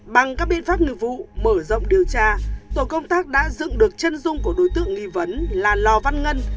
bằng các biện pháp nghiệp vụ mở rộng điều tra tổ công tác đã dựng được chân dung của đối tượng nghi vấn là lò văn ngân